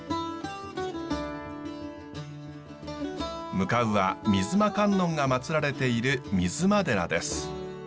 向かうは水間観音が祭られている水間寺です。